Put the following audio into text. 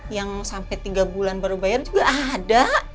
yang sampai tiga bulan baru bayar juga ada